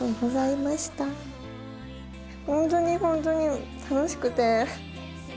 本当に本当に楽しくて。